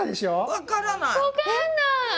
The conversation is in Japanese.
わかんない。